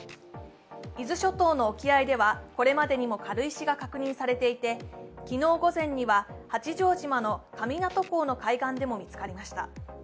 伊豆諸島の沖合ではこれまでにも軽石が確認されていて昨日午前には八丈島の神湊港の海岸でも見つかりました。